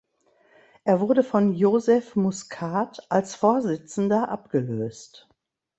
Er wurde von Joseph Muscat als Vorsitzender abgelöst.